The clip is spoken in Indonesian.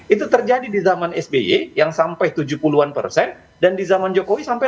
itu terjadi di zaman sby yang sampai tujuh puluh an persen dan di zaman jokowi sampai